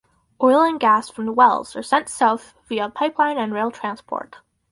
Oil and gas from the wells are sent South via pipeline and rail transport.